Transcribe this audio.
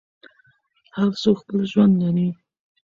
هر څوک خپل ژوند لري.